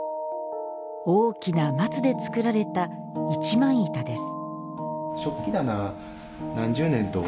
大きな松で作られた一枚板です。